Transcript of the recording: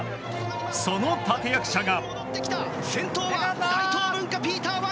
その立役者が。